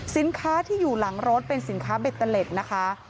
สินค้าที่อยู่หลังรถเป็นสินค้าเบตเตอร์เล็ตนะคะ